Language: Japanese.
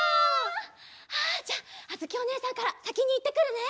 じゃああづきおねえさんからさきにいってくるね！